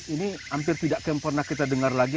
ini hampir tidak akan pernah kita dengar lagi